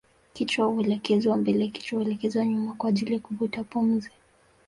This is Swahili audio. Kichwa huelekezwa mbele kichwa huelekezwa nyuma kwa ajili ya kuvuta pumzi